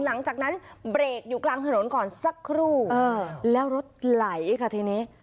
หลังจากนั้นเบรกอยู่กลางถนนก่อนสักครู่แล้วรถไหลค่ะทีนี้